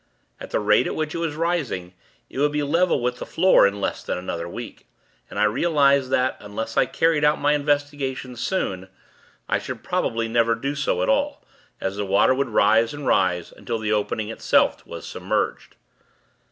At the rate at which it was rising, it would be level with the floor in less than another week; and I realized that, unless I carried out my investigations soon, I should probably never do so at all; as the water would rise and rise, until the opening, itself, was submerged.